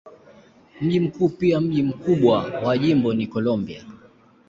Mji mkuu pia mji mkubwa wa jimbo ni Columbia.